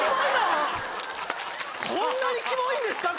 こんなにキモいんですか？